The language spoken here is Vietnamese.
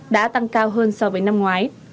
đã tăng cao hơn so với năm ngoái